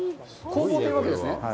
工房というわけですね。